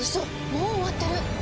もう終わってる！